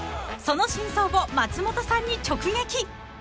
［その真相を松本さんに直撃］